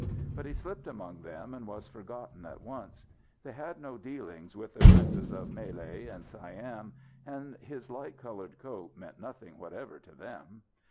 But he slipped among them and was forgotten at once. They had no dealings with the princes of Malay and Siam, and his light coloured coat meant nothing whatever to them.